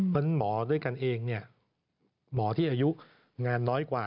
เพราะฉะนั้นหมอด้วยกันเองหมอที่อายุงานน้อยกว่า